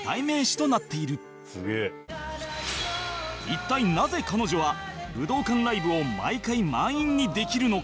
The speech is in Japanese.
一体なぜ彼女は武道館ライブを毎回満員にできるのか？